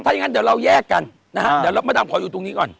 ถ้าอย่างนั้นเดี๋ยวเราแยกกันนะฮะเดี๋ยวเรามาดำขออยู่ตรงนี้ก่อน